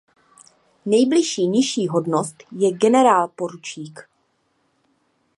Nejbližší nižší hodnost je generálporučík.